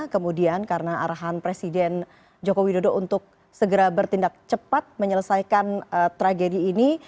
kemudian karena arahan presiden joko widodo untuk segera bertindak cepat menyelesaikan tragedi ini